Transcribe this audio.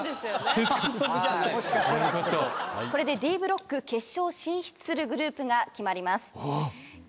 これでＤブロック決勝進出するグループが決まります。